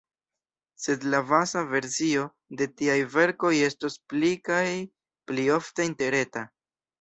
Sed la baza versio de tiaj verkoj estos pli kaj pli ofte interreta.